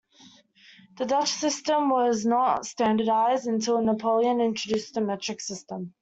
The Dutch system was not standardised until Napoleon introduced the metric system.